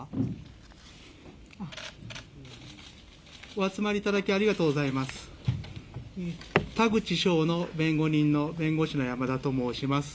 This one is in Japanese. お集まりいただき、ありがとうございます。